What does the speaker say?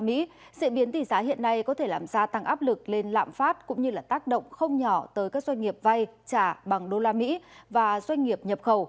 diễn biến tỷ giá hiện nay có thể làm ra tăng áp lực lên lạm phát cũng như tác động không nhỏ tới các doanh nghiệp vay trả bằng usd